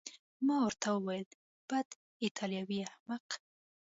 ما ورته وویل: بد، ایټالوی احمق.